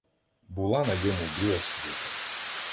Була на йому біла свита